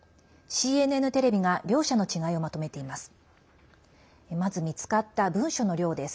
ＣＮＮテレビが両者の違いをまとめています。